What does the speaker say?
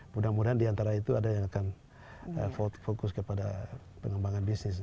mudah mudahan diantara itu ada yang akan fokus kepada pengembangan bisnis